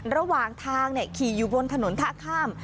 ระหว่างทางขี่อยู่บนถนนท่าข้าม